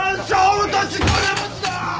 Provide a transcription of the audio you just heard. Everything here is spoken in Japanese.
俺たち金持ちだ！